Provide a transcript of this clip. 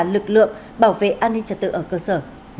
lực lượng bảo vệ an ninh trật tự ở cơ sở